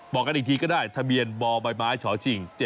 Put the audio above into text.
บอกกันอีกทีก็ได้ทะเบียนบบบชาวชิง๗๑๖๗